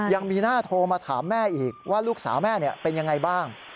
ยังมีหน้าโทรมาถามแม่อีกว่าลูกสาวแม่เป็นยังไงบ้าง